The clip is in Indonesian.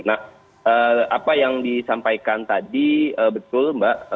nah apa yang disampaikan tadi betul mbak